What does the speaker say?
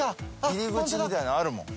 入り口みたいなのあるもん。